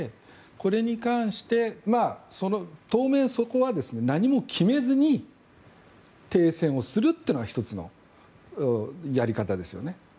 これに関して、当面そこは何も決めずに停戦をするというのが１つのやり方ですよね。